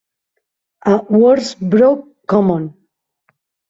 A Worsbrough Common.